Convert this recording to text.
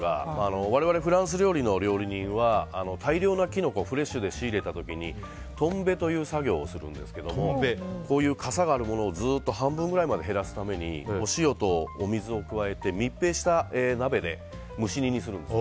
我々、フランス料理の料理人は大量なキノコをフレッシュで仕入れた時にトンベという作業をするんですけどもこういうかさがあるものを半分ぐらいまで減らすためにお塩とお水を加えて密閉した鍋で蒸し煮にするんです。